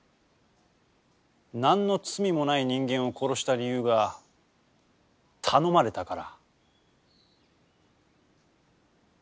何の罪のない人間を殺した理由が頼まれたから？